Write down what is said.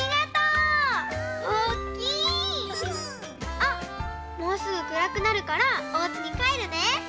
あっもうすぐくらくなるからおうちにかえるね！